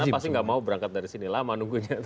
pasti nggak mau berangkat dari sini lama nunggunya